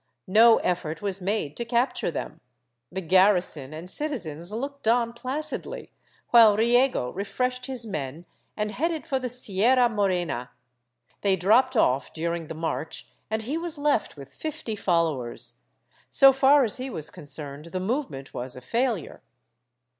No effort was made to capture them; the garrison and citizens looked on placidly, while Riego refreshed his men and headed for the Sierra Morena; they dropped off during the march and he was left with fifty followers; so far as he was concerned, the movement was a failure.